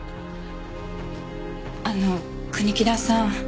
あの国木田さん